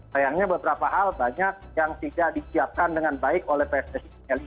sayangnya beberapa hal banyak yang tidak disiapkan dengan baik oleh pssi